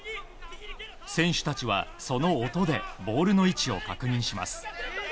選手たちは、その音でボールの位置を確認します。